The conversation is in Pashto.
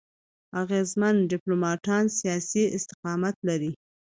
اغېزمن ډيپلوماټان سیاسي استقامت لري.